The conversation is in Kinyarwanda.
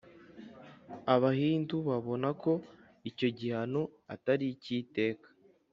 abahindu babona ko icyo gihano atari icy’iteka.